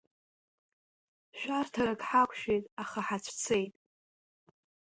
Шәарҭарак ҳақәшәеит, аха ҳацәцеит!